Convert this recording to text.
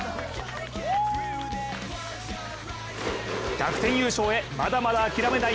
逆転優勝へまだまだ諦めない。